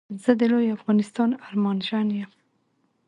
زه د لوي افغانستان ارمانژن يم